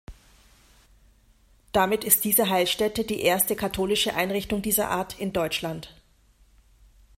Damit ist diese Heilstätte die erste katholische Einrichtung dieser Art in Deutschland.